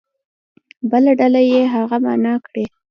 بله ډله دې هغه معنا کړي.